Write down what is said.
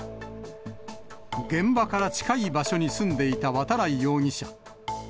現場から近い場所に住んでいた渡来容疑者。